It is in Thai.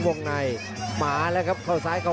สวัสดิ์นุ่มสตึกชัยโลธสวัสดิ์